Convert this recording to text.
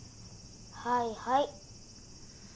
はいはい。